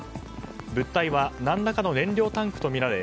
物体は何らかの燃料タンクとみられ